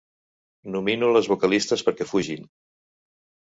Nomino les vocalistes perquè fugin.